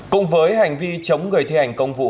cùng với hành vi chống người thi hành công vụ